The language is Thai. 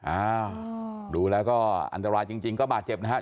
อ้าวดูแล้วก็อันตรายจริงก็บาดเจ็บนะครับ